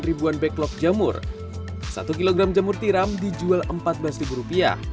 ribuan backlog jamur satu kg jamur tiram dijual empat belas rupiah